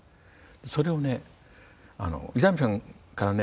それをね伊丹さんからね